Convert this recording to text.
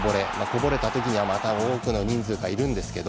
こぼれた時にはまた、多くの人数がいるんですが。